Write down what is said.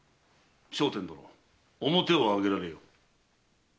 聖天殿面を上げられよ。